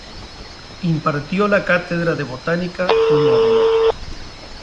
Impartió la cátedra de Botánica en Módena.